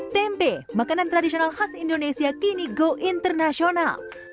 tempe makanan tradisional khas indonesia kini go internasional